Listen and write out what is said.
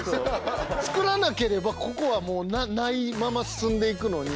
作らなければここはもうないまま進んでいくのに。